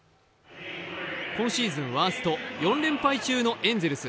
今シーズンワースト４連敗中のエンゼルス。